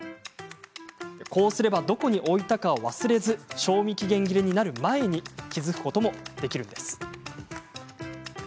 こうすればどこに置いたかを忘れず賞味期限切れになる前に気付くこともできるんです。